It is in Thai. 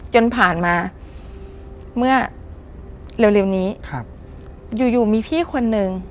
จนผ่านมาเมื่อเร็วเร็วนี้ครับอยู่อยู่มีพี่คนนึง